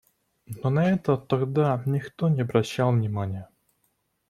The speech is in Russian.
Но на это тогда никто не обращал внимание.